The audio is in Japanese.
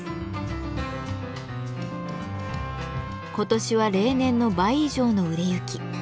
今年は例年の倍以上の売れ行き。